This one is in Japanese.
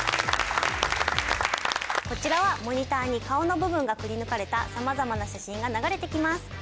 こちらはモニターに顔の部分がくりぬかれた様々な写真が流れてきます。